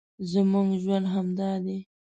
زموږ ژوند همدا دی